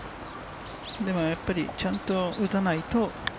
でもやっぱりちゃんと打たないと。